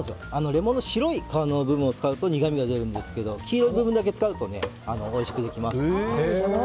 レモンの白い皮の部分を使うと苦みが出るんですけど黄色い部分だけ使うとおいしくできます。